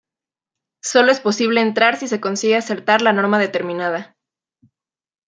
Solo es posible entrar si se consigue acertar la norma determinada.